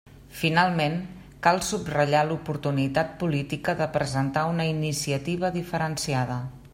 Finalment, cal subratllar l'oportunitat política de presentar una iniciativa diferenciada.